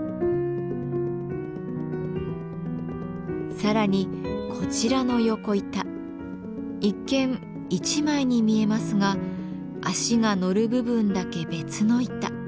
さらにこちらの横板一見一枚に見えますが足が乗る部分だけ別の板。